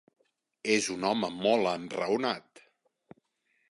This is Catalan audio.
És un home molt enraonat.